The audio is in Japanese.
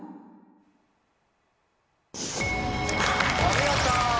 お見事！